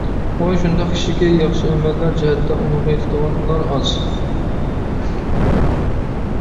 ئۇ شۇنداق كىشىكى، ياخشى ئەمەللەر جەھەتتە ئۇنىڭغا يېتىدىغانلار ئاز.